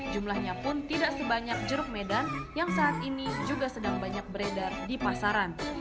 jumlahnya pun tidak sebanyak jeruk medan yang saat ini juga sedang banyak beredar di pasaran